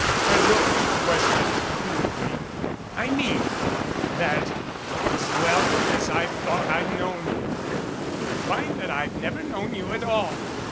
Her look questioned coolly. "I mean, that, as well as I've thought I've known you, I find that I've never known you at all.